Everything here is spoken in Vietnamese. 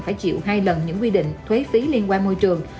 phải chịu hai lần những quy định thuế phí liên quan môi trường